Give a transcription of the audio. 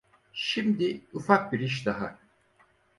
Şimdi ufak bir iş daha…